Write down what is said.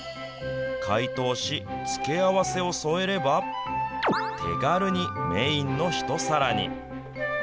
解凍し、付け合わせを添えれば、手軽にメインの一皿に。